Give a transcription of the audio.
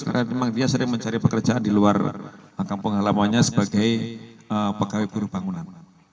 karena memang dia sering mencari pekerjaan di luar kampung halamannya sebagai pegawai buruh bangunan